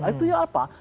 nah itu ya apa